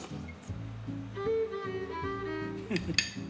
フフフ。